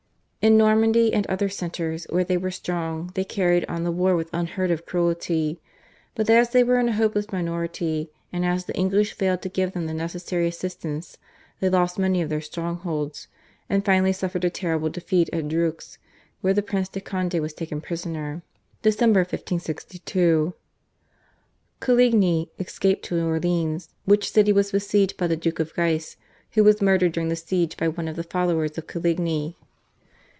In Normandy and other centres where they were strong they carried on the war with unheard of cruelty; but as they were in a hopeless minority and as the English failed to give them the necessary assistance they lost many of their strongholds, and finally suffered a terrible defeat at Dreux where the Prince de Conde was taken prisoner (Dec. 1562). Coligny escaped to Orleans, which city was besieged by the Duke of Guise, who was murdered during the siege by one of the followers of Coligny.